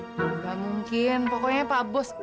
tidak mungkin pokoknya pak bos